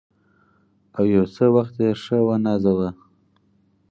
او یو څه وخت یې ښه ونازاوه.